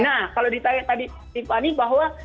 nah kalau ditanya tadi tiffany bahwa